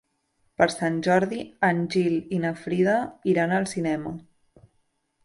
Per Sant Jordi en Gil i na Frida iran al cinema.